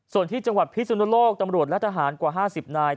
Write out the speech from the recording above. ส่วนที่จังหวัดพิสุนโลกตำรวจและทหารกว่า๕๐นาย